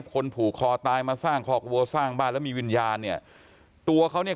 คนผูกคอตายมาสร้างคอกวัวสร้างบ้านแล้วมีวิญญาณเนี่ยตัวเขาเนี่ย